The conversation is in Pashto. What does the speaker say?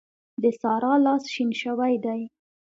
د سارا لاس شين شوی دی.